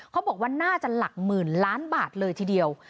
เขาบอกว่าน่าจะหลักหมื่นล้านบาทเลยทีเดียว